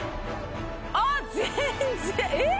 あっ全然えっ？